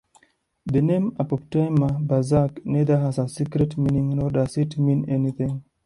The name "Apoptygma Berzerk" neither has a secret meaning nor does it mean anything.